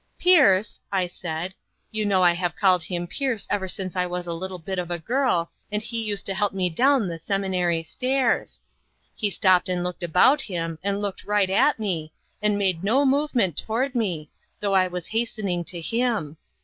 ' Pierce,' I said , you know I have called him Pierce ever since I was a little bit of a girl, and lie used to help me down the seminary stairs. He stopped and looked about him, and looked right at me, and made no movement toward me, though I was hastening to him.